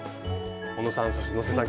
おのさんそして能勢さん